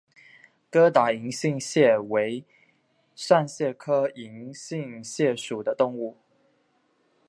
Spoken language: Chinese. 疙瘩银杏蟹为扇蟹科银杏蟹属的动物。